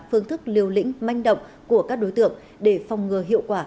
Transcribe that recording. phương thức liều lĩnh manh động của các đối tượng để phòng ngừa hiệu quả